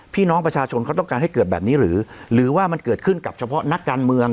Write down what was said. พี่น้องประชาชนเขาต้องการให้เกิดแบบนี้หรือหรือว่ามันเกิดขึ้นกับเฉพาะนักการเมือง